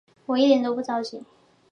我一点都不着急